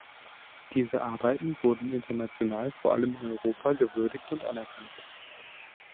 Diese Arbeiten wurden international vor allem in Europa gewürdigt und anerkannt.